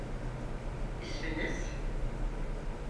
İsminiz?